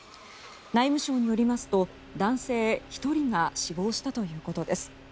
内務省によりますと、男性１人が死亡したということです。